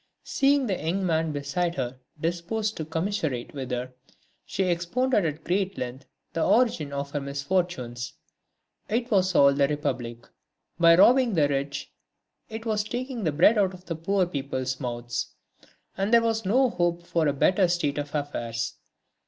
Seeing the young man beside her disposed to commiserate with her, she expounded at great length the origin of her misfortunes. It was all the Republic; by robbing the rich, it was taking the bread out of poor people's mouths. And there was no hoping for a better state of affairs.